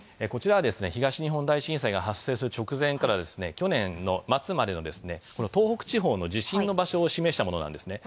こちら東日本大震災が発生する直前から去年の末までの東北地方の地震の場所を示したものです。